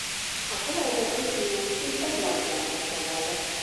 A családban öt fiú és egy lánygyermeket neveltek.